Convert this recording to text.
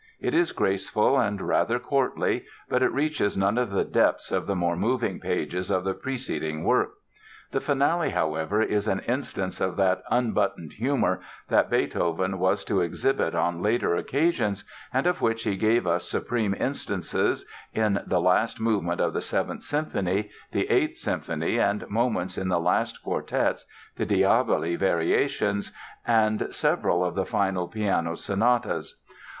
It is graceful and rather courtly but it reaches none of the depths of the more moving pages of the preceding work, The Finale, however, is an instance of that "unbuttoned humor" that Beethoven was to exhibit on later occasions and of which he gave us supreme instances in the last movement of the Seventh Symphony, the Eighth Symphony, and moments in the last quartets, the "Diabelli Variations," and several of the final piano sonatas.